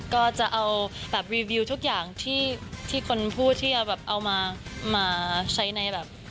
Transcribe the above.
ก็จะเอาแบบรีวิวทุกอย่างที่คนพูดที่จะแบบเอามาใช้ในแบบ